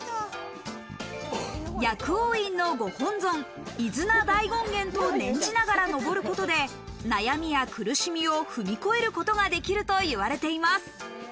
薬王院の御本尊「いづなだいごんげん」と念じながら登ることで悩みや苦しみを踏み越えることができると言われています。